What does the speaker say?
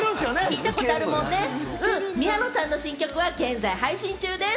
宮野さんの新曲は現在配信中です。